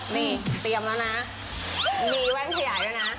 นี่เตรียมแล้วนะมีแว่นขยายด้วยนะ